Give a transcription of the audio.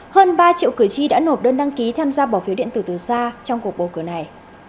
hơn ba triệu cử tri đã nộp đơn đăng ký tham gia bỏ phiếu điện tử từ xa trong cuộc bầu cử này